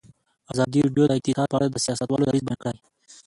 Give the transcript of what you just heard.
ازادي راډیو د اقتصاد په اړه د سیاستوالو دریځ بیان کړی.